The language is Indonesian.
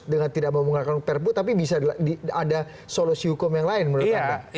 dengan tidak menggunakan perpu tapi bisa ada solusi hukum yang lain menurut anda